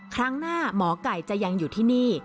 ครั้งหน้าหมอไก่จะยังอยู่ที่นี่